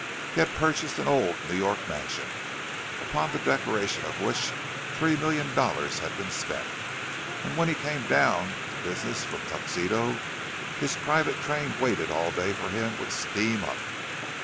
He had purchased an old New York mansion, upon the decoration of which three million dollars had been spent; and when he came down to business from Tuxedo, his private train waited all day for him with steam up.